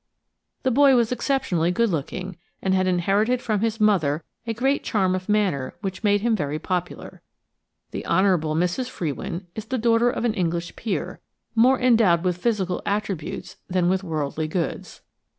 The boy was exceptionally good looking, and had inherited from his mother a great charm of manner which made him very popular. The Honourable Mrs. Frewin is the daughter of an English peer, more endowed with physical attributes than with worldly goods.